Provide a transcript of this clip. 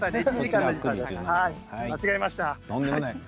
間違えました。